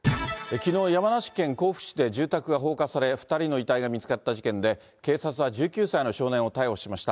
きのう、山梨県甲府市で住宅が放火され、２人の遺体が見つかった事件で、警察は１９歳の少年を逮捕しました。